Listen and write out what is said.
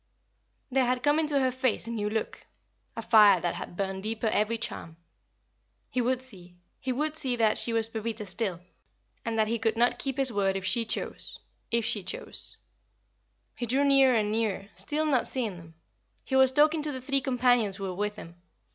There had come into her face a new look a fire that had burned deeper every charm. He would see he would see that she was Pepita still, and that he could not keep his word if she chose if she chose. He drew nearer and nearer, still not seeing them. He was talking to the three companions who were with him.